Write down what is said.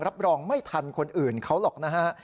รับรองไม่ทันคนอื่นเขาหรอกนะฮะ